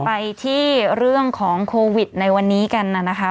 ไปที่เรื่องของโควิดในวันนี้กันนะคะ